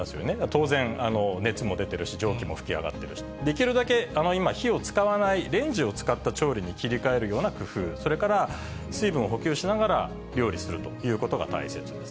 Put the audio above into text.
当然熱も出てるし、蒸気も噴き上がってるしと、できるだけ、今、火を使わない、レンジを使った調理に切り替えるような工夫、それから水分を補給しながら料理するということが大切です。